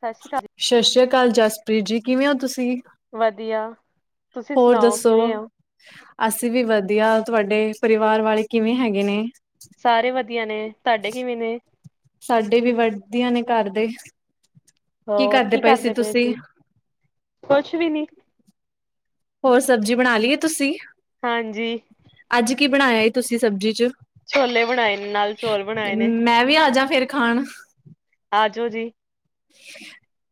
ਸਾਸੀ ਕਾਲ ਜੀ ਸਸ ਰੀ ਕਾਲ ਜਸਪ੍ਰੀਤ ਜੀ, ਕਿਵੇਂ ਓਂ ਤੁਸੀਂ। ਵਦੀਆ। ਹੋਰ ਦੱਸੋ ਅਸੀਂ ਵੀ ਵਦੀਆ, ਤੁਆਡੇ ਪਰਿਵਾਰ ਵਾਲੇ ਕਿਵੇਂ ਹੈਗੇ ਨੇ। ਸਾਰੇ ਵਦੀਆ ਨੇ, ਤੁਆਡੇ ਕਿਵੇਂ ਨੇ। ਸਾਡੇ ਵੀ ਵਦੀਆ ਨੇ ਘਰ ਦੇ, ਕੀ ਕਰਦੇ ਪਏ ਸੀ ਤੁਸੀਂ। ਕੁਛ ਵੀ ਨੀ। ਹੋਰ ਸਬਜ਼ੀ ਬਨਾ ਲੀ ਏ ਤੁਸੀਂ। ਹਾਂਜੀ। ਅੱਜ ਕੀ ਬਨਾਏਆ ਏ ਤੁਸੀਂ ਸਬਜ਼ੀ ਚ। ਛੋਲੇ ਬਣਾਏ ਨੇ ਨਾਲ ਚੌਲ ਬਣਾਏ ਨੇ ਮੈਂ ਵੀ ਆਜਾਂ ਫੇਰ ਖਾਨ। ਆਜੋੋ ਜੀ।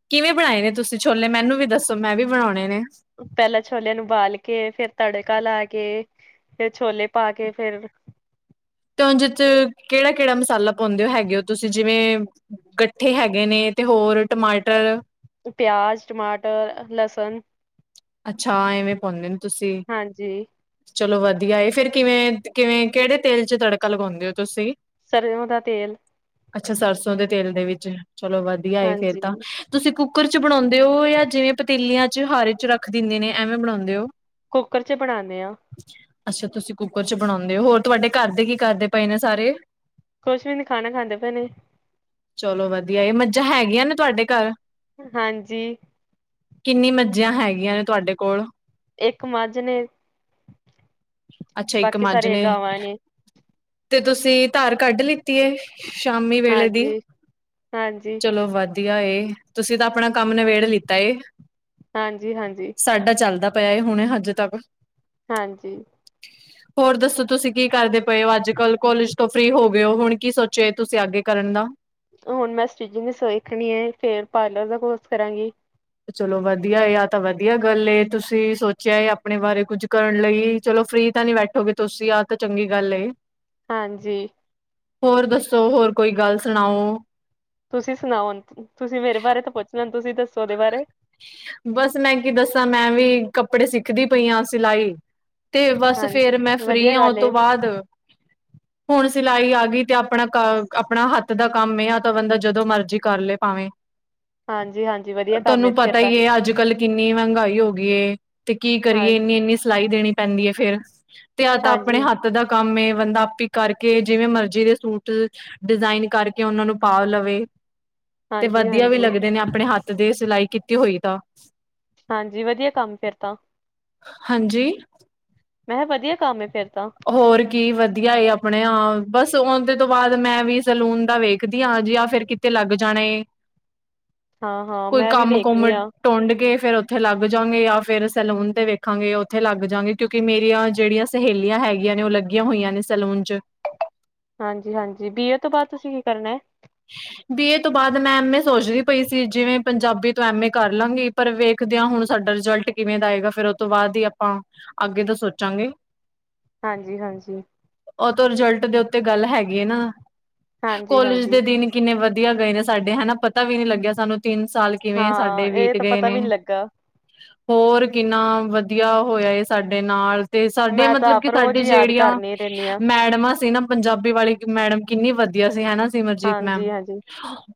ਕਿਵੇਂ ਬਨਾਏ ਨੇ ਤੁਸੀਂ ਛੋਲੇ ਮੈਨੂੰ ਵੀ ਦੱਸੋ ਮੈਂ ਵੀ ਬਨੌਨੇ ਨੇ। ਪੈਲਾਂ ਛੋਲਿਆਂ ਨੂੰ ਉਬਾਲ ਕੇ ਫੇਰ ਤੜਕਾ ਲਾ ਕੇ ਫਿਰ ਛੋਲੇ ਪਾ ਕੇ ਫੇਰ ਤੇ ਓਂਦੇ ਚ ਕੇੜਾ-ਕੇੜਾ ਮਸਾਲਾ ਪੌਂਦੇ ਹੋ ਹੈਗੇ ਹੋ ਤੁਸੀਂ ਜਿਵੇਂ ਗੱਠੇ ਹੈਗੇ ਨੇ ਤੇ ਹੋਰ ਟਮਾਟਰ ਪਿਆਜ਼, ਟਮਾਟਰ, ਲਸਨ ਅੱਛਾ ਐਵੇਂ ਪੌਂਦੇ ਨੇ ਤੁਸੀਂ। ਹਾਂਜੀ ਚਲੋ ਵਦੀਆ ਏ ਫੇਰ ਕਿਵੇਂ-ਕਿਵੇਂ ਕੇੜੇ ਤੇਲ ਚ ਤੜਕਾ ਲਗੌਂਦੇ ਓਂ ਤੁਸੀਂ। ਸਰੇਂਓਂ ਦਾ ਤੇਲ ਅੱਛਾ ਸਰਸੋਂ ਦੇ ਤੇਲ ਦੇ ਵਿੱਚ, ਚਲੋ ਵਦੀਆ ਏ ਫੇਰ ਹਾਂਜੀ ਤਾਂ। ਤੁਸੀਂ ਕੁੱਕਰ ਚ ਬਨੌਂਦੇ ਓਂ ਜਾਂ ਜਿਵੇਂ ਪਤੀਲੀਆਂ ਚ ਹਾਰੇ ਚ ਰੱਖ ਦਿੰਦੇ ਨੇ ਐਵੇਂ ਬਨੌਂਦੇ ਓਂ। ਕੁੱਕਰ ਚੇ ਬਨਾਨੇ ਆਂ। ਅੱਛਾ ਤੁਸੀਂ ਕੁੱਕਰ ਚ ਬਨੌਂਦੇ ਓਂ ਹੋਰ ਤੁਆਡੇ ਘਰ ਦੇ ਕੀ ਕਰਦੇ ਪਏ ਨੇ ਸਾਰੇ। ਕੁੱਛ ਵੀ ਨੀ ਖਾਨਾ ਖਾਂਦੇ ਪਏ ਨੇ। ਚਲੋ ਵਦੀਆ ਏ ਮੱਝਾਂ ਹੈਗੀਆਂ ਨੇ ਤੁਆਡੇ ਘਰ। ਹਾਂਜੀ। ਕਿੰਨੀ ਮੱਝੀਆਂ ਹੈਗੀਆਂ ਨੇ ਤੁਆਡੇ ਕੋਲ। ਇੱਕ ਮੱਝ ਨੇ, ਅੱਛਾ ਇੱਕ ਬਾਕੀ ਮੱਝ ਸਾਰੀਆਂ ਗਾਂਵਾਂ ਨੇ। ਤੇ ਤੁਸੀਂ ਧਾਰ ਕੱਢ ਲਿੱਤੀ ਐ ਸ਼ਾਮੀ ਵੇਲੇ ਦੀ ਹਾਂਜੀ ਹਾਂਜੀ ਚਲੋ ਵ ਧੀਆ ਏ ਤੁਸੀਂ ਤਾਂ ਆਪਣਾ ਕੰਮ ਨਿਬੇੜ ਲਿੱਤਾ ਏ। ਹਾਂਜੀ ਹਾਂਜੀ। ਸਾਡਾ ਚੱਲਦਾ ਪਿਆ ਹੁਨੇ ਹਜੇ ਤੱਕ। ਹਾਂਜੀ। ਹੋਰ ਦੱਸੋ ਤੁਸੀਂ ਕੀ ਕਰਦੇ ਪਏ ਓ ਅੱਜ ਕੱਲ ਕੋਲਜ ਤੋਂ ਫਰੀ ਹੋ ਗਏ ਓ ਹੁਣ ਕੀ ਸੋਚਿ ਚੇ ਤੁਸੀਂ ਅੱਗੇ ਕਰਨ ਦਾ। ਹੁਨ ਮੈਂ ਸਟਿਚਿੰਗ ਸਿੱਖਣੀ ਐ ਫੇਰ ਪਾਰਲਰ ਦਾ ਕੋਰਸ ਕਰਾਂਗੀ। ਚਲੋ ਵਧੀਆ ਆ ਤਾਂ ਵਧੀਆ ਗੱਲ ਏ ਤੁਸੀਂ ਸੋਚਿਆ ਐ ਆਪਣੇ ਬਾਰੇ ਕੁੱਝ ਕਰਨ ਲਈ। ਚਲੋ ਫ੍ਰਰੀ ਤਾਂ ਨੀ ਬੈਠੋਗੇ ਤੁਸੀਂ ਆਹ ਤਾਂ ਚੰਗੀ ਗੱਲ ਏ। ਹਾਂਜੀ। ਹੋਰ ਦੱਸੋ ਹੋਰ ਕੋਈ ਗੱਲ ਸੁਣਾਓ? ਤੁਸੀਂ ਸੁਣਾਓ ਹੁਨ ਤੁਸੀਂ ਮੇਰੇ ਬਾਰੇ ਤਾਂ ਪੁੱਛ ਲਿਆ ਹੁਨ ਤੁਸੀਂ ਦੱਸੋ ਆਪਦੇ ਬਾਰੇ? ਬਸ ਮੈਂ ਕੀ ਦੱਸਾਂ ਮੈਂ ਵੀ ਕੱਪੜੇ ਸਿੱਖਦੀ ਪਈ ਆ ਸਿਲਾਈ। ਤੇ ਬਸ ਫੇਰ ਮੈਂ ਹਾਂਜੀ ਫ੍ਰਰੀ ਵਧੀਆ ਆ ਓ ਗੱਲ ਏ ਤੋਂ ਬਾਅਦ। ਹੁਨ ਸਿਲਾਈ ਆ ਗਈ ਤੇ ਆਪਣਾ ਆਪਣਾ ਹੱਥ ਦਾ ਕੰਮ ਏ ਆ ਤਾਂ ਬੰਦਾ ਜਦੋਂ ਮਰਜੀ ਕਰਲੇ ਪਾਵੇ। [inaudible] ਹਾਂਜੀ ਹਾਂਜੀ, ਵਧੀਆ ਕੰਮ ਏ ਫਿਰ ਤਾਂ। ਅੱਜ ਕੱਲ ਕਿੰਨੀ ਮਹਿੰਗਾਈ ਹੋ ਗਈ ਏ ਤੇ ਕੀ ਹਾਂ ਕਰੀਏ ਇੰਨੀ ਇੰਨੀ ਸਿਲਾਈ ਦੇਣੀ। ਪੈਂਦੀ ਐ ਫੇਰ ਤੇ ਆਹ ਤਾਂ ਆਪਣੇ ਹਾਂਜੀ ਹੱ ਥ ਦਾ ਕੰਮ ਏ ਬੰਦਾ ਆਪੀ ਕਰਕੇ ਜਿਵੇਂ ਮਰਜੀ ਦੇ ਸੂਟ ਡਿਜ਼ਾਇਨ ਕਰਕੇ ਓਨਾਂ ਨੂੰ ਪਾ ਲਵੇ ਤੇ ਹਾਂਜੀ ਵਧੀਆ ਵੀ ਹਾਂਜੀ ਲੱਗਦੇ ਨੇ। ਆਪਣੇ ਹੱਥ ਦੇ ਸਿਲਾਈ ਕੀਤੀ ਹੋਈ ਤਾਂ। ਹਾਂਜੀ ਵਧੀਆ ਕੰਮ ਫੇਰ ਤਾਂ। ਹਾਂਜੀ। ਮੈਂ ਹੇ ਵਧੀਆ ਕੰਮ ਐ ਫੇਰ ਤਾਂ। ਹੋਰ ਕੀ ਵਧੀਆ ਆਪਣੇ ਆ ਬਸ ਓਦੇ ਤੋਂ ਬਾਅਦ ਮੈਂ ਵੀ ਸਲੂਨ ਦਾ ਵੇਖਦੀ ਆ ਜਾ ਫਿਰ ਤੇ ਲੱਗ ਜਾਣੇ ਹਾਂ ਹਾਂ ਕੋਈ ਮੈਂ ਵੀ ਕੰਮ ਕੁਮ ਵੇਖਦੀ ਹਾਂ ਟੁੰਡ ਕੇ ਫਿਰ ਓਥੇ ਲੱਗ ਜਾਗੇ ਜਾਂ ਫਿਰ ਸੈਲੂਨ ਤੇ ਵੇਖਾਂਗੇ ਓਥੇ ਲੱਗ ਜਾਗੇ ਕਿਉਂਕਿ ਮੇਰੀਆਂ ਜਿਹੜੀਆਂ ਸਹੇ ਲੀਆਂ ਹੈਗੀਆਂ ਨੇ ਓ ਲੱਗੀਆਂ ਹੋਈਆਂ ਨੇ ਸਲੂਨ ਚ। ਹਾਂਜੀ ਹਾਂਜੀ, ਬੀ ਏ ਤੋਂ ਬਾਅਦ ਤੁਸੀਂ ਕੀ ਕਰਨਾ? ਬੀ ਏ ਤੋਂ ਬਾਅਦ ਮੈਂ ਐਮ ਏ ਸੋਚਦੀ ਪਈ ਸੀ ਜਿਵੇਂ ਪੰਜਾਬੀ ਤੋਂ ਐਮ ਏ ਕਰ ਲਾਂਗੀ। ਪਰ ਵੇਖਦੇ ਆ ਹੁਨ ਸਾਡਾ ਰਿਜਲਟ ਕਿਵੇਂ ਦਾ ਆਏਗਾ ਫੇਰ ਓ ਤੋਂ ਬਾਅਦ ਈ ਆਪਾਂ। ਅੱਗੇ ਦਾ ਸੋਚਾਂਗੇ। ਹਾਂਜੀ ਹਾਂਜੀ। ਓ ਤੋਂ ਰਿਜਲਟ ਦੇ ਉੱਤੇ ਗੱਲ ਹੈਗੀ ਨਾ ਹਾਂਜੀ ਕੋਲਜ ਹਾਂਜੀ ਦੇ ਦਿਨ ਕਿੰਨੇ ਵਧੀਆ ਗਏ ਨੇ ਸਾਡੇ ਹਨਾ ਪ ਤਾ ਵੀ ਨੀ ਲੱਗਿਆ ਸਾਨੂੰ ਤਿੰਨ ਸਾਲ ਕਿਵੇਂ ਹਾਂ ਸਾਡੇ ਇਹ ਬੀਤ ਤਾਂ ਗੇ ਪਤਾ ਨੇ। ਵੀ ਨਹੀਂ ਲੱਗਾ ਹੋਰ ਕਿੰਨਾ ਵਧੀਆ ਹੋਇਆ ਏ ਸਾਡੇ ਨਾਲ ਤੇ ਸਾਡੇ ਮੈਂ ਤਾਂ ਮਤਲਬ ਆਪ ਕਿ ਰੋਜ਼ ਸਾਡੀ ਹੀ ਯਾਦ ਜਿਹੜੀਆਂ ਕਰਨੀ ਰਹਿੰਦੀ ਹਾਂ ਮੈਡਮਾਂ ਸੀ ਨਾ। ਪੰਜਾਬੀ ਵਾਲੀ ਮੈਡਮ ਕਿੰਨੀ ਵਧੀਆ ਸੀ ਹੈ ਨਾ ਸਿਮਰਜੀਤ ਮੈਮ। ਹਾਂਜੀ-ਹਾਂਜੀ, ਹਾਂਜੀ,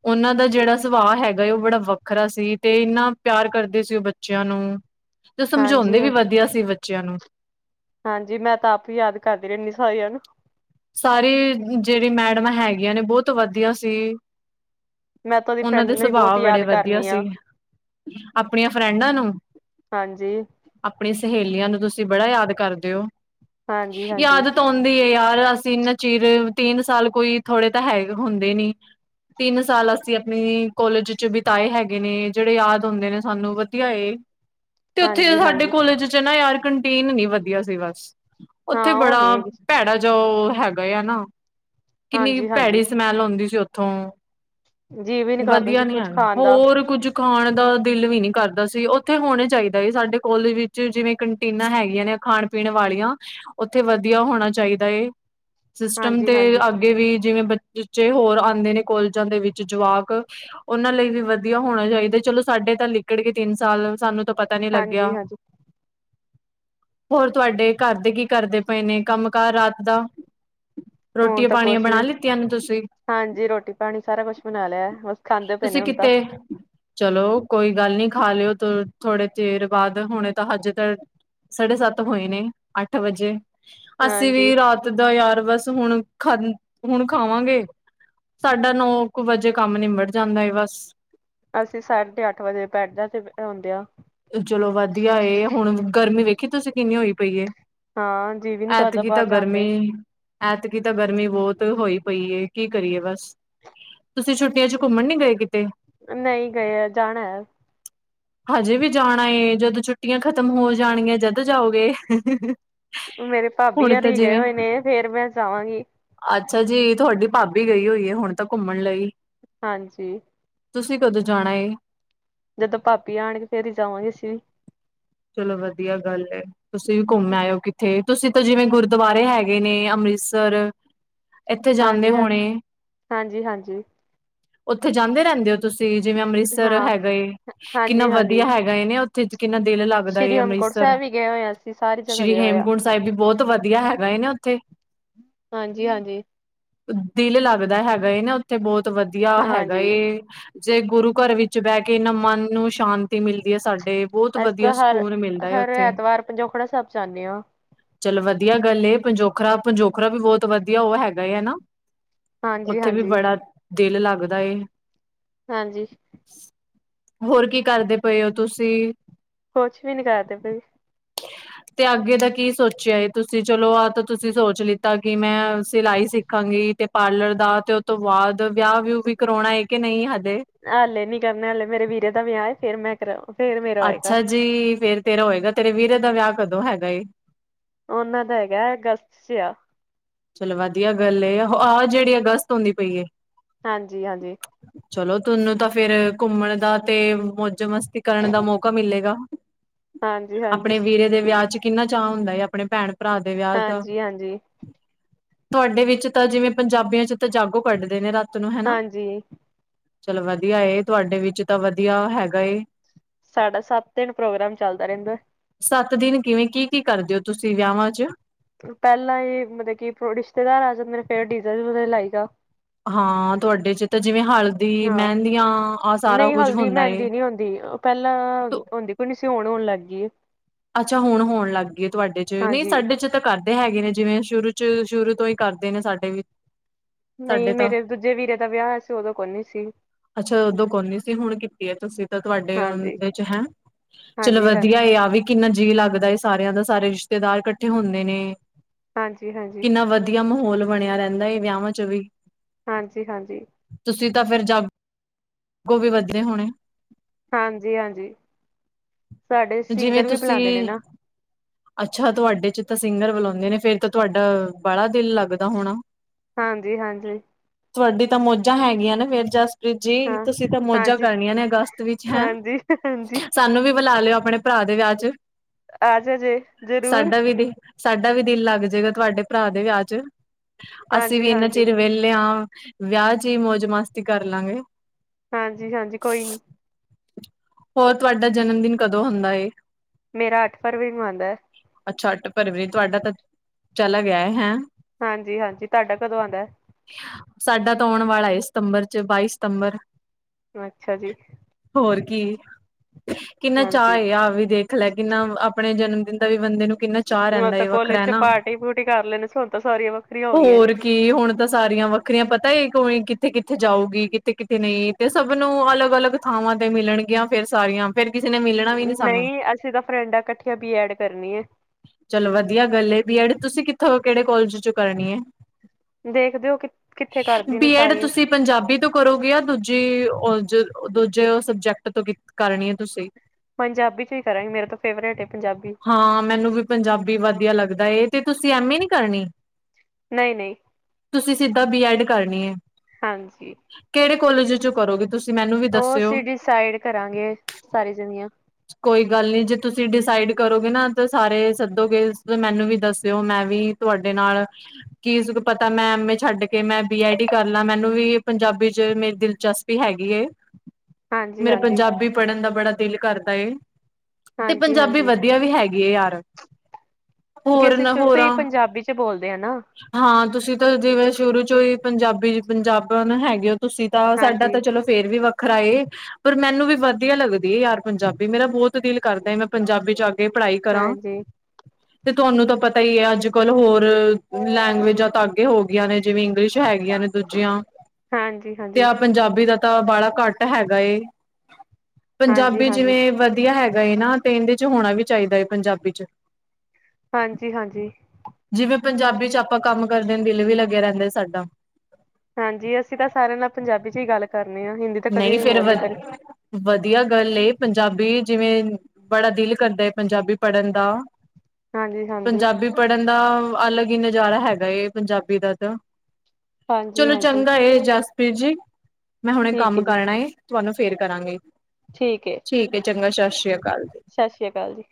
ਓਨਾਂ ਦਾ ਜਿਹੜਾ ਸੁਭਾਅ ਹੈਗਾ ਓ ਬੜਾ ਵੱਖਰਾ ਸੀ ਤੇ ਇੰਨਾ ਪਿਆਰ ਕਰਦੇ ਸੀ ਓ ਬੱਚਿਆਂ ਨੂੰ। ਤੇ ਸਮਝਾਉਂਦੇ ਹਾਂਜੀ ਵੀ ਹਾਂ ਵਧੀਆ ਸੀ ਬੱਚਿਆਂ ਨੂੰ। ਹਾਂਜੀ, ਮੈਂ ਤਾਂ ਆਪ ਈ ਯਾਦ ਕਰਦੀ ਰਹਿਣੀ ਸਾਰੀਆ ਨੂੰ। ਸਾਰੇ ਜਿਹੜੀ ਮੈਡਮਾਂ ਹੈਗੀਆਂ ਨੇ ਬਹੁਤ ਵਧੀਆ ਸੀ। ਮੈਂ ਤਾਂ ਉਹਦੀ ਓਨਾਂ ਫਰੈਂਡ ਦੇ ਨੂੰ ਵੀ ਬਹੁਤ ਸੁਭਾਅ ਬੜੇ ਯਾਦ ਵਧੀਆ ਕਰਨੀ ਸੀ, ਆ, ਆਪਣੀਆਂ ਫਰੈਂਡਾਂ ਨੂੰ ਹਾਂਜੀ। ਆਪਣੀ ਸਹੇਲੀਆਂ ਨੂੰ ਤੁਸੀਂ ਬੜਾ ਯਾਦ ਕਰਦੇ ਓ ਹਾਂਜੀ, ਹਾਂਜੀ। ਯਾਦ ਆਉਦੀ ਏ ਯਾਰ ਅਸੀਂ ਐਨਾ ਚਿਰ ਤਿੰਨ ਸਾਲ ਕੋਈ ਥੋੜੇ ਤਾਂ ਹੈ ਹੁੰਦੇ ਨੀ। ਤਿੰਨ ਸਾਲ ਅਸੀਂ ਆਪਣੀ ਕੋਲੇਜ ਚ ਬਿਤਾਏ ਹੈਗੇ ਨੇ ਜਿਹੜੇ ਯਾਦ ਹੁੰਦੇ ਨੇ ਸਾਨੂੰ ਵਧੀਆ ਏ। ਤੇ ਓਥੇ ਸਾਡੇ ਹਾਂਜੀ-ਹਾਂਜੀ, ਕੋਲੇਜ ਚ ਨਾ ਯਾਰ ਕੰਟੀਨ ਨੀ ਵਧੀਆ ਸੀ ਬਸ। ਹਾਂ ਉਥੇ ਉਹ ਬੜਾ ਨੀ ਹੈਗੀ, ਭੈੜਾ ਜਾ ਓ ਹੈਗਾ ਆ ਨਾ ਕਿੰਨੀ ਭੈੜ ਹਾਂਜੀ-ਹਾਂਜੀ। ਸਮੈਲ ਹੁੰਦੀ ਸੀ ਓਥੋਂ, ਜੀਅ ਵੀ ਨੀ ਕਰਦਾ ਵਧੀਆ ਜੀ ਨੀ ਕੁੱਝ ਹੈਗਾ ਖਾਣ ਦਾ, ਹੋਰ ਕੁਝ ਖਾਣ ਦਾ ਦਿਲ ਵੀ ਨੀ ਕਰਦਾ ਸੀ। ਓਥੇ ਹੋਣਾ ਚਾਹੀਦਾ ਏ ਸਾਡੇ ਕੋਲਜ ਵਿੱ ਜਿਵੇਂ ਕੰਟੀਨਾ ਹੈਗੀਆਂ ਨੇ ਖਾਣ-ਪੀਣ ਵਾਲੀਆਂ ਓਥੇ ਵਧੀਆ ਹੋਣਾ ਚਾਹੀਦਾ ਏ। ਸਿਸਟਮ ਤੇ ਹਾਂਜੀ-ਹਾਂਜੀ। ਅੱਗੇ ਵੀ ਜਿਵੇਂ ਬੱਚੇ ਹੋਰ ਆਂਦੇ ਨੇ ਕੋਲਜਾਂ ਦੇ ਵਿੱਚ ਜਵਾਕ ਓਨਾਂ ਲਈ ਵੀ ਵਧੀਆ ਹੋਣਾ ਚਾਹੀਦਾ ਚਲੋ ਸਾਡੇ ਤਾਂ ਲਿਕੜ ਗੇ ਤਿੰਨ ਸਾਲ, ਸਾਨੂੰ ਤਾ ਪਤਾ ਨੀ ਲੱਗਿਆ। ਹਾਂਜੀ-ਹਾਂਜੀ, ਹੋਰ ਤੁਹਾਡੇ ਘਰ ਦੇ ਕੀ ਕਰਦੇ ਪਏ ਨੇ ਕੰਮ-ਕਾਰ ਰਾਤ ਦਾ? ਹੁਣ ਰੋਟੀਆਂ ਤਾਂ ਪਾਣੀਆਂ ਕੁਛ ਬਣਾ ਵੀ ਲਿੱਤੀਆਂ ਨੇ ਤੁਸੀਂ ਹਾਂਜੀ ਰੋਟੀ ਪਾਨੀ ਸਾਰਾ ਕੁਛ ਬਣਾ ਲਿਆ ਬਸ ਖਾਂਦੇ ਪਏ ਤੁਸੀਂ ਨੇ ਹੁਣ ਕਿਤੇ ਤਾਂ, ਚਲੋ ਕੋਈ ਗੱਲ ਨੀ ਖਾ ਲਿਓ ਥੋੜੇ ਦੇਰ ਬਾਦ ਹੁਣੇ ਤਾਂ ਹਜੇ ਤਾ ਸਾਢੇ ਸੱਤ ਹੋਏ ਨੇ ਅੱਠ ਵਜੇ। ਅਸੀਂ ਹਾਂਜੀ ਵੀ ਰਾ ਦਾ ਯਾਰ ਬਸ ਹੁਣ ਖਾ ਹੁਣ ਖਾਵਾਂਗੇ। ਸਾਡਾ ਨੌ ਕ ਵਜੇ ਕੰਮ ਨਿਬੜ ਜਾਂਦਾ ਏ ਬਸ। ਅਸੀਂ ਸਾਢੇ ਅੱਠ ਵਜੇ ਬੈਡਾ ਤੇ ਬ ਅ ਹੁੰਦੇ ਆ। ਚਲੋ ਵਧੀਆ ਏ। ਹੁਣ ਗਰਮੀ ਵੇਖੀ ਤੁਸੀਂ ਕਿੰਨੀ ਹੋਈ ਪਈ ਏ। ਹਾਂ ਜੀਅ ਵੀ ਨੀ ਕਰਦਾ ਐਤਕੀ ਤਾਂ ਬਾਹਰ ਜਾਣ ਤੇ, ਗਰਮੀ ਐਤਕੀ ਤਾਂ ਗਰਮੀ ਬਹੁਤ ਹੋਈ ਪਈਏ ਕੀ ਕਰੀਏ ਬਸ। ਤੁਸੀਂ ਛੁੱਟੀਆਂ ਚ ਘੁੰਮਣ ਨੀ ਗ‌ਏ ਕਿਤੇ? ਨ‌ਈ ਗਏ, ਜਾਣੈ। ਕ ਹਜੇ ਵੀ ਜਾਣਾ ਏ ਜਦੋਂ ਛੁੱਟੀਆਂ ਖਤਮ ਹੋ ਜਾਣਗੀਆਂ ਜਦ ਜਾਓਗੇ। ਮੇਰੇ ਭਾਬੀ ਹੁਣ ਤਾਂ ਓਰੀ ਗਏ ਜਿਵੇਂ ਹੋਏ ਨੇ ਫੇਰ ਮੈਂ ਜਾਵਾਂਗੀ। ਅੱਛਾ ਜੀ ਥੋਡੀ ਭਾਬੀ ਗਈ ਹੋਈ ਏ ਹੁਣ ਤਾਂ ਘੁੰਮਣ ਲਈ। ਹਾਂਜੀ। ਤੁਸੀਂ ਕਦੋਂ ਜਾਣਾ ਏ? ਜਦੋਂ ਭਾਬੀ ਆਣਗੇ ਫੇਰ ਹੀ ਜਾਵਾਂਗੇ ਅਸੀਂ ਵੀ। ਚਲੋ ਵਧੀਆ ਗੱਲ ਏ, ਤੁਸੀਂ ਵੀ ਘੁੰਮ ਆਓ ਕਿਤੇ। ਤੁਸੀਂ ਤਾਂ ਜਿਵੇਂ ਗੁਰਦੁਆਰੇ ਹੈਗੇ ਨੇ ਅੰਮ੍ਰਿਤਸਰ ਏਥੇ ਜਾਂਦੇ ਹਾਂਜੀ ਹਾਂ ਹੋਣੇ। ਹਾਂਜੀ ਹਾਂਜੀ ਓਥੇ ਜਾਂਦੇ ਰਹਿੰਦੇ ਓ ਤੁਸੀਂ ਜਿਵੇਂ ਅੰਮ੍ਰਿਤਸਰ ਹਾਂ ਹੈਗਾ ਏ ਕਿੰਨਾ ਹਾਂਜੀ ਹਾਂਜੀ ਵਧੀਆ ਹੈਗ ਗ‌ਏ ਨੇ ਓਥੇ ਕਿੰਨਾ ਦਿਲ ਲੱਗਦਾ ਏ ਸ਼੍ਰੀ ਹੇਮਕੁੰਟ ਅੰਮ੍ਰਿਤਸਰ, ਸਾਹਿਬ ਵੀ ਗਏ ਹੋਏ ਆ ਅਸੀਂ ਸਾਰੀ ਜਗ੍ਹਾ ਸ਼੍ਰੀ ਗਏ ਹੋਏ ਆ ਹੇਮਕੁੰਡ ਸ ਸਾਹਿਬ ਵੀ ਬਹੁਤ ਵਧੀਆ ਹੈਗਾ ਏ ਨਾ ਓਥੇ। ਹਾਂਜੀ-ਹਾਂਜੀ। ਦਿਲ ਲੱਗਦਾ ਹੈਗਾ ਏ ਨਾ ਓਥੇ ਬਹੁਤ ਵਧੀਆ ਲਗਦਾ ਹੈਗਾ ਹਾਂਜੀ ਏ। ਜੇ ਗੁਰੂ ਘਰ ਵਿੱਚ ਬਹਿ ਕੇ ਏਨਾਂ ਮਨ ਨੂੰ ਸ਼ਾਂਤੀ ਮਿਲਦੀ ਐ ਸਾਡੇ ਬਹੁਤ ਵਧੀਆ ਸ ਹ ਹਰ ਐਤਵਾਰ ਪੰਜੋਖੜਾ ਸਾਹਿਬ ਜਾਨੇ ਆ। ਚਲੋ ਵਧੀਆ ਗੱਲ ਏ, ਪੰਜੋਖਰਾ ਪੰਜੋਖਰਾ ਵੀ ਬਹੁਤ ਵਧੀਆ ਓ ਹੈਗਾ ਏ ਨਾ। ਹਾਂਜੀ ਓਥੇ ਵੀ ਹਾਂਜੀ ਬੜਾ ਦਿਲ ਲੱਗਦਾ ਏ। ਹਾਂਜੀ। ਹੋਰ ਕੀ ਕਰਦੇ ਪਏ ਓ ਤੁਸੀਂ। ਕੁਛ ਵੀ ਨੀ ਕਰਦੇ ਪਏ। ਤੇ ਅੱਗੇ ਦਾ ਕੀ ਸੋਚਿਆ ਹੈ ਤੁਸੀਂ। ਚਲੋ ਆਹ ਤਾਂ ਤੁਸੀਂ ਸੋਚ ਲਿੱਤਾ ਕਿ ਮੈਂ ਸਿਲਾਈ ਸਿੱਖਾਂਗੀ ਤੇ ਪਾਰਲਰ ਦਾ ਤੇ ਉਹ ਤੋਂ ਬਾਅਦ ਵਿਆਹ ਵਿਹੂ ਵੀ ਕਰਾਉਣਾ ਹੈ ਕਿ ਨਹੀਂ ਹਜੇ। ਹਲੇ ਨੀ ਕਰਨਾ ਹਾਲੇ ਮੇਰੇ ਵੀਰੇ ਦਾ ਵਿਆਹ ਫੇਰ ਮੈਂ ਕਰਾਨਾ ਫੇਰ ਮੇਰਾ ਆਏਗਾ। ਅੱਛਾ ਜੀ ਫੇਰ ਤੇਰਾ ਹੋਏਗਾ ਤੇਰੇ ਵੀਰੇ ਦਾ ਵਿਆਹ ਕਦੋਂ ਹੈਗਾ ਏ। ਉਹਨਾਂ ਦਾ ਹੈਗਾ ਅਗਸਤ ਚ ਆ। ਚਲੋ ਵਧੀਆ ਗੱਲ ਆਹ ਜਿਹੜੀ ਅਗਸਤ ਆਦੀ ਪਈ ਐ। ਹਾਂਜੀ ਹਾਂਜੀ। ਚਲੋ ਤਾਨੂੰ ਤਾਂ ਫੇਰ ਘੁੰਮਣ ਦਾ ਤੇ ਮਸਤੀ ਕਰਨ ਦਾ ਮੌਕਾ ਮਿਲੇਗਾ। ਹਾਂਜੀ ਹਾਂਜੀ ਆਪਣੇ ਵੀਰੇ ਦੇ ਵਿਆਹ ਚ ਕਿੰਨਾ ਚਾਅ ਹੁੰਦਾ ਏ। ਆਪਣੇ ਭੈਣ ਭਰਾ ਦੇ ਵਿਆਹ ਦਾ ਹਾਂਜੀ ਹਾਂਜੀ। ਤੁਹਾਡੇ ਵਿੱਚ ਤਾਂ ਜਿਵੇਂ ਪੰਜਾਬੀਆਂ ਚ ਤਾਂ ਜਾਗੋ ਕੱਢਦੇ ਨੇ ਰਾਤ ਨੂੰ ਹੈਨਾ। ਹਾਂਜੀ ਚਲੋ ਵਧੀਆ ਤੁਹਾਡੇ ਵਿੱਚ ਤਾਂ ਵਧੀਆ ਹੈਗਾ। ਸਾਡਾ ਸੱਤ ਦਿਨ ਪ੍ਰੋਗਰਾਮ ਚੱਲਦਾ ਰਹਿੰਦਾ। ਸੱਤ ਦਿਨ ਕਿਵੇਂ ਕੀ ਕੀ ਕਰਦੇ ਓ ਤੁਸੀਂ ਵਿਆਹਵਾ ਚ। ਪਹਿਲਾਂ ਹੀ ਮਤਲਬ ਕਿ ਰਿਸ਼ਤੇਦਾਰ ਆ ਜਾਦੇ। ਫੇਰ ਡੀ ਜੇ ਡੂਜੇ ਲਾਈ ਦਾ। ਹਾਂ ਤੁਹਾਡੇ ਚ ਤਾਂ ਜਿਵੇਂ ਹਲਦੀ ਹਾਂ ਮਹਿੰਦੀਆਂ ਆਹ ਸਾਰਾ ਨਹੀਂ ਕੁੱਝ ਹਲਦੀ ਹੁੰਦਾ ਏ। ਮਹਿੰਦੀ ਨਹੀਂ ਹੁੰਦੀ। ਪਹਿਲਾਂ ਹੁੰਦੀ ਕੋਈ ਨੀ ਸੀ ਹੁਣ ਹੋਣ ਲੱਗ ਗਈ ਏ। ਅੱਛਾ ਹੁਣ ਹੋਣ ਲੱਗ ਗਈਏ ਤੁਹਾਡੇ ਚ, ਨਹੀਂ ਹਾਂਜੀ ਸਾਡੇ ਚ। ਤਾਂ ਕਰਦੇ ਹੈਗੇ ਨੇ ਜਿਵੇਂ ਸ਼ੁਰੂ ਚ ਸ਼ੁਰੂ ਤੋਂ ਹੀ ਕਰਦੇ ਨੇ ਸਾਡੇ ਵਿੱਚ। ਨਹੀਂ ਮੇਰੇ ਦੂਜੇ ਵੀਰੇ ਦਾ ਵਿਆਹ ਹੋਇਆ ਸੀ। ਉਦੋਂ ਕੋਈ ਨੀ ਸੀ। ਅੱਛਾ ਉਦੋਂ ਕੋਈ ਨਹੀਂ ਸੀ। ਹੁਣ ਤੁਸੀਂ ਤਾਂ ਤੁਹਾਡੇ ਹਾਂਜੀ ਉਹਦੇ ਚ ਹੈ ਚਲੋ ਹਾਂਜੀ ਹਾਂਜੀ ਵਧੀਆ ਐ ਆ ਵੀ। ਕਿੰਨਾ ਜੀਅ ਲੱਗਦਾ ਏ ਸਾਰਿਆਂ ਦਾ ਸਾਰੇ ਰਿਸ਼ਤੇਦਾਰ ਕੱਠੇ ਹੁੰਦੇ ਨੇ, ਹਾਂਜੀ ਹਾਂਜੀ ਕਿੰਨਾ ਵਧੀਆ। ਵਧੀਆ ਮਾਹੌਲ ਬਣਿਆ ਰਹਿੰਦਾ ਹੈ। ਵਿਆਹਾਂਵਾ ਚ ਵੀ, ਹਾਂਜੀ ਹਾਂਜੀ। ਤੁਸੀਂ ਤਾਂ ਫਿਰ ਜਾਗੋ ਵੀ ਵੱਧਦੇ ਹੋਣੇ। ਹਾਂਜੀ ਹਾਂਜੀ ਸਾਡੇ ਜਿਵੇਂ ਸਿੰਗਰ ਵੀ ਤੁਸੀਂ ਬੁਲਾਦੇ ਨੇ ਨਾ। [inaudible] ਅੱਛਾ ਤੁਹਾਡੇ ਚ ਤਾਂ ਸਿੰਗਰ ਬੁਲਾਉਂਦੇ ਨੇ ਫੇਰ ਤਾਂ ਤੁਹਾਡਾ ਬਾਲਾ ਦਿਲ ਲੱਗਦਾ ਹੋਣਾ। ਹਾਂਜੀ ਹਾਂਜੀ। ਤੁਹਾਡੀ ਤਾਂ ਮੌਜਾਂ ਹੈਗੀਆਂ ਨੇ ਫਿਰ ਜਸ। ਜੀ ਹਾਂ ਤੁਸੀਂ ਤਾਂ ਮੌਜਾਂ ਹਾਂਜੀ ਕਰਨੀਆਂ ਨੇ ਅਗਸਤ ਵਿੱਚ ਹੈਂ। ਹਾਂਜੀ ਹਾਂਜੀ ਸਾਨੂੰ ਵੀ ਬੁਲਾ ਲਿਓ ਆਪਣੇ ਭਰਾ ਦੇ ਵਿਆਹ ਚ। ਆਜੋ ਜੀ। ਸਾਡਾ ਵੀ ਸਾਡਾ ਵੀ ਦਿਲ ਲੱਗ ਜਾਏਗਾ, ਤੁਹਾਡੇ ਭਰਾ ਦੇ ਵਿਆ ਚ। ਅਸੀਂ ਹਾਂਜੀ ਵੀ ਇਨਾ ਹਾਂਜੀ ਚਿਰ ਵਿਹਲੇ ਆ ਵਿਆਹ ਚ ਹੀ ਮੌਜ ਮਸਤੀ ਕਰ ਲਾਂਗੇ ਹਾਂਜੀ ਹਾਂਜੀ ਕੋਈ ਨੀ ਹੋਰ ਤੁਹਾਡਾ ਜਨਮ ਦਿਨ ਕਦੋਂ ਹੁੰਦਾ ਏ ਮੇਰਾ ਅੱਠ ਫਰਵਰੀ ਨੂੰ ਆਦਾ ਅੱਛਾ ਅੱਠ ਫਰਵਰੀ ਤੁਹਾਡਾ ਤਾਂ ਚਲਾ ਗਿਆ ਹੈ ਹੈਂ ਹਾਂਜੀ-ਹਾਂਜੀ ਤਾਡਾ ਕਦੋਂ ਆਂਦਾ। ਸਾਡਾ ਤਾਂ ਆਉਣ ਵਾਲਾ ਸਤੰਬਰ' ਚ ਬਾਈ ਸਤੰਬਰ ਅੱਛਾ ਜੀ। ਹੋਰ ਕੀ ਕਿੰਨਾ ਚਾਹ ਹਾਂਜੀ ਹੈਗਾ ਵੀ ਦੇਖ ਲੈ ਕਿੰਨਾ ਆਪਣੇ ਜਨਮ ਦਿਨ ਦਾ ਵੀ ਬੰਦੇ ਨੂੰ ਕਿੰਨਾ ਚਾਅ ਹੋਰ ਰਹਿੰਦਾ ਤਾਂ ਏ ਕੋਲੇਜ ਵੱਖਰਾ 'ਚ ਨਾ। ਪਾਰਟੀ ਪੂਟੀ ਕਰ ਲੈਣੇ ਸੀ ਹੁਣ ਤਾਂ ਸਾਰੀਆਂ ਵੱਖਰੀਆਂ ਹੋ ਗਈਆਂ ਨੇ। ਕਿ ਹੁਣ ਤਾਂ ਸਾਰੀਆਂ ਵੱਖਰੀਆਂ ਪਤਾ ਕੋਈ ਕਿੱਥੇ-ਕਿੱਥੇ ਜਾਊਗੀ ਕਿੱਥੇ-ਕਿੱਥੇ ਨਈ। ਤੇ ਸਭ ਨੂੰ ਅਲੱਗ-ਅਲੱਗ ਥਾਵਾਂ ਤੇ ਮਿਲਣਗੀਆਂ ਫਿਰ ਸਾਰੀਆਂ ਫੇਰ ਕਿਸੇ ਨੇ ਵੀ ਮਿਲਣਾ ਨੀ ਸਾਨੂੰ। ਨਈ ਅਸੀਂ ਤਾਂ ਫਰੈਂਡਾਂ ਕੱਠੀਆਂ ਬੀ ਐਡ ਕਰਨੀ ਏ। ਚਲੋ ਵਧੀਆ ਗੱਲ ਬੀ ਐਡ ਤੁਸੀਂ ਕਿੱਥੋਂ ਕਿਹੜੇ ਕੋਾਲਜ ਚੋਂ ਕਰਨੀ ਏ। ਦੇਖਦੇ ਹੋ ਕਿ ਕਿੱਥੇ ਕਰਦੀਆਂ ਨੇ ਬੀ ਐਡ ਸਾਰੀਆਂ ਤੁਸੀਂ ਪੰਜਾਬੀ ਤੋਂ ਕਰੋਗੇ ਦੂਜੀ ਜ ਦੂਜੇ ਸਬਜੈਕਟ ਤੋਂ ਕਰਨੀ ਐ ਤੁਸੀਂ ਪੰਜਾਬੀ 'ਚ ਈ ਕਰਾਂਗੇ ਮੇਰੇ ਤੋਂ ਫੇਵਰੇਟ ਏ ਪੰਜਾਬੀ ਹਾਂ ਮੈਨੂੰ ਵੀ ਪੰਜਾਬੀ ਵਧੀਆ ਲੱਗਦਾ ਏ ਤੇ ਤੁਸੀਂ ਐਮ ਏ ਨੀ ਕਰਨੀ। ਨਈ-ਨਈ ਤੁਸੀਂ ਸਿੱਧਾ ਬੀ ਐਡ ਕਰਨੀ ਏ। ਹਾਂਜੀ ਕੇੜੇ ਕੋਲਜ ਚੋਂ ਕਰੋਗੇ ਤੁਸੀਂ ਮੈਨੂੰ ਵੀ ਓ ਦੱਸਿਓ। ਅਸੀਂ ਡਿਸਾਈਡ ਕਰਾਂਗੇ ਸਾਰੀ ਜਨੀਆਂ ਕੋਈ ਗੱਲ ਨੀ ਜੇ ਤੁਸੀਂ ਡਿਸਾਈਡ ਕਰੋਗੇ ਨਾ ਤੇ ਸਾਰੇ ਸੱਦੋਗੇ ਮੈਨੂੰ ਵੀ ਦੱਸਿਓ ਮੈਂ ਵੀ ਤੁਹਾਡੇ ਨਾਲ ਕੀ ਪਤਾ ਮੈਂ ਐਮ ਏ ਛੱਡ ਕੇ ਮੈਂ ਬੀ ਐਡ ਕਰ ਲਾਂ ਮੈਨੂੰ ਵੀ ਪੰਜਾਬੀ 'ਚ ਮੇਰੀ ਦਿਲਚਸਪ ਵੀ ਹੈਗੀ ਏ ਹਾਂਜੀ ਮੇਰਾ ਹਾਂਜੀ ਪੰਜਾਬੀ ਪੜ੍ਹਨ ਦਾ ਬੜਾ ਦਿਲ ਕਰਦਾ ਏ। ਤੇ ਹਾਂਜੀ ਪੰਜਾਬੀ ਹਾਂਜੀ ਵਧੀਆ ਵੀ ਹੈਗੀ ਏ ਯਾਰ ਕਿਉਂਕਿ ਹੋਰ ਅਸੀਂ ਨਾ ਸ਼ੁਰੂ ਤੋਂ ਹੀ ਹੋਰਾਂ ਪੰਜਾਬੀ 'ਚ ਬੋਲਦੇ ਆਂ ਨਾ। ਹਾਂ ਤੁਸੀਂ ਤਾਂ ਜਿਵੇਂ ਸ਼ੁਰੂ ਚੋਂ ਹੀ ਪੰਜਾਬੀ ਪੰਜਾਬਣ ਹੈਗੇ ਹੋ ਤੁਸੀਂ ਤਾਂ ਸਾਡਾ ਹਾਂਜੀ ਤਾਂ ਚਲੋ। ਫੇਰ ਵੀ ਵੱਖਰਾ ਏ ਪਰ ਮੈਨੂੰ ਵੀ ਵਧੀਆ ਲੱਗਦੀ ਯਾਰ ਪੰਜਾਬੀ ਮੇਰਾ ਬੋਤ ਦਿਲ ਕਰਦਾ ਮੈਂ ਪੰਜਾਬੀ 'ਚ ਆ ਕੇ ਪੜ੍ਹਾਈ ਕਰਾਂ। ਹਾਂਜੀ ਤੇ ਤੁਹਾਨੂੰ ਤਾਂ ਪਤਾ ਈ ਐ ਅੱਜ ਕੱਲ ਹੋਰ ਲੈਂਗੁਏਜਾਂ ਤਾਂ ਅੱਗੇ ਹੋ ਗਈਆਂ ਨੇ ਜਿਵੇਂ ਇੰਗਲਿਸ਼ ਹੈਗੀਆਂ ਨੇ ਦੂਜੀਆਂ ਹਾਂਜੀ ਹਾਂਜੀ ਤੇ ਆ ਪੰਜਾਬੀ ਦਾ ਤਾਂ ਬਾੜਾ ਘੱਟ ਹੈਗਾ ਏ ਹਾਂਜੀ ਪੰਜਾਬੀ ਹਾਂਜੀ ਜਿਵੇਂ ਵਧੀਆ ਹੈ। ਏ ਨਾ ਤੇ ਏਂਦੇ 'ਚ ਹੋਣਾ ਵੀ ਚਾਈਦਾ ਏ ਪੰਜਾਬੀ 'ਚ ਹਾਂਜੀ-ਹਾਂਜੀ ਜਿਵੇਂ ਪੰਜਾਬੀ 'ਚ ਆਪਾਂ ਕੰਮ ਕਰਦੇ ਦਿਲ ਵੀ ਲੱਗੇ ਰੈਂਦੇ ਸਾਡਾ ਹਾਂਜੀ ਅਸੀਂ ਤਾਂ ਸਾਰਿਆਂ ਨਾਲ ਪੰਜਾਬੀ 'ਚ ਹੀ ਗੱਲ ਕਰਨੇ ਆਂ ਹਿੰਦੀ ਤਾਂ ਕਦੀ ਨਹੀਂ ਫੇਰ ਵ ਬੋਲੇ ਕਰ ਵਧੀਆ ਗੱਲ ਏ ਪੰਜਾਬੀ ਜਿਵੇਂ ਬੜਾ ਦਿਲ ਕਰਦਾ ਐ ਪੰਜਾਬੀ ਪੜ੍ਹਨ ਦਾ ਹਾਂਜੀ ਹਾਂਜੀ ਪੰਜਾਬੀ ਪੜ੍ਹਨ ਦਾ ਅਲੱਗ ਹੀ ਨਜ਼ਾਰਾ ਹੈਗਾ ਏ ਪੰਜਾਬੀ ਦਾ ਤਾਂ ਹਾਂਜੀ ਚਲੋ ਹਾਂਜੀ ਚੰਗਾ ਏ ਜਸਪ੍ਰੀਤ ਜੀ ਮੈਂ ਹੁਣੇ ਠੀਕ ਹੈ ਕੰਮ ਜੀ ਕਰਨਾ ਏ। ਤੁਹਾਨੂੰ ਫੇਰ ਕਰਾਂਗੇ। ਠੀਕ ਏ। ਠੀਕ ਹੈ ਚੰਗਾ ਸਤਿ ਸ੍ਰ ਅਕਾਲ ਜੀ। ਸਤਿ ਸ਼੍ਰੀ ਅਕਾਲ ਜੀ।